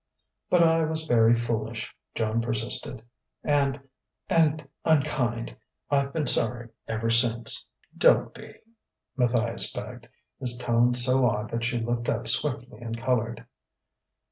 "But I was very foolish," Joan persisted, "and and unkind. I've been sorry ever since...." "Don't be," Matthias begged, his tone so odd that she looked up swiftly and coloured.